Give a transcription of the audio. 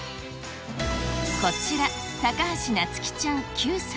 こちら、高橋なつ希ちゃん９歳。